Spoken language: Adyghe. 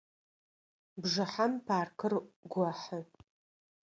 Бжыхьэм паркыр гохьы.